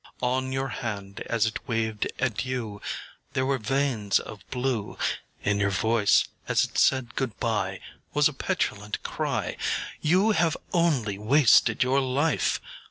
On your hand as it waved adieu There were veins of blue; In your voice as it said good bye Was a petulant cry, âYou have only wasted your life.